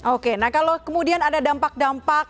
oke nah kalau kemudian ada dampak dampak